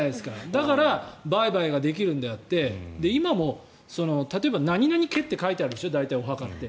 だから売買ができるのであって今も例えば、何々家って書いてあるでしょ大体、お墓って。